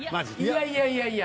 いやいやいやいや。